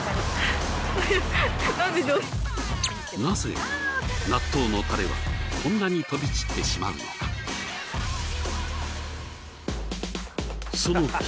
なぜ納豆のタレはこんなに飛び散ってしまうのか？